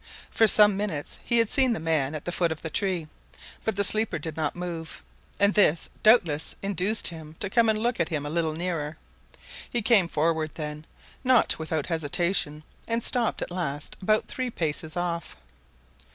For some minutes he had seen the man at the foot of the tree, but the sleeper did not move, and this doubtless induced him to come and look at him a little nearer. He came forward then, not without hesitation, and stopped at last about three paces off.